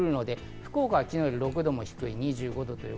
福岡は昨日より６度も低い２５度。